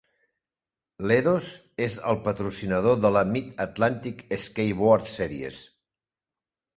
Ledo's és el patrocinador de la Mid-Atlantic Skateboard Series.